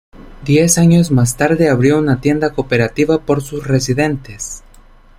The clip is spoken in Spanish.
Diez años más tarde abrió una tienda cooperativa por sus residentes.